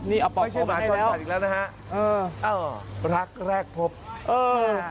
ไม่ใช่หมาก่อนก่อนอีกแล้วนะฮะอ้าวรักแรกพบเออ